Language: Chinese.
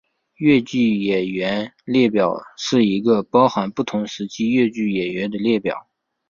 越剧演员列表是一个包含不同时期越剧演员的列表。